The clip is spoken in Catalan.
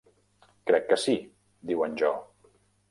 "Crec que sí", diu en Jo.